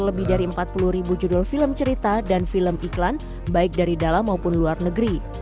lebih dari empat puluh ribu judul film cerita dan film iklan baik dari dalam maupun luar negeri